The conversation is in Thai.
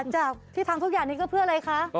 อ๋อจ้ะที่ทำทุกอย่างนี้เพื่ออะไรคะ